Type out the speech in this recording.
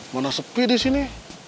mana sepi disini